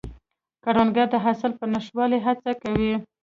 کروندګر د حاصل په ښه والي هڅې کوي